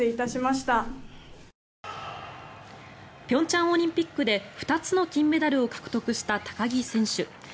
平昌オリンピックで２つの金メダルを獲得した高木選手。